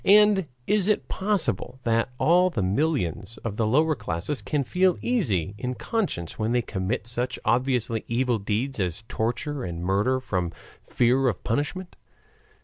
And is it possible that all the millions of the lower classes can feel easy in conscience when they commit such obviously evil deeds as torture and murder from fear of punishment?